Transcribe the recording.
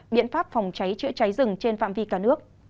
biện pháp phòng cháy chữa cháy rừng trên phạm vi cả nước